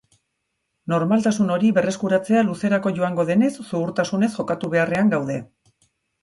Normaltasun hori berreskuratzea luzerako joango denez, zuhurtasunez jokatu beharrean gaude.